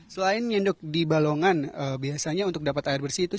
selain nyendok di balongan biasanya untuk dapat air bersih itu